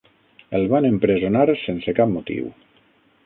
El van empresonar sense cap motiu.